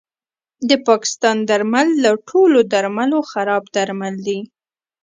د پاکستان درمل له ټولو درملو خراب درمل دي